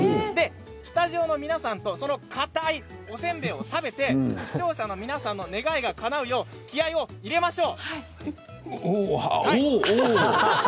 スタジオの皆さんとかたいおせんべいを食べて視聴者の皆さんの願いがかなうよう気合いを入れましょう。